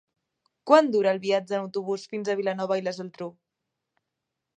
Quant dura el viatge en autobús fins a Vilanova i la Geltrú?